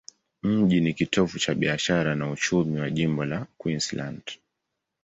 Mji ni kitovu cha biashara na uchumi kwa jimbo la Queensland.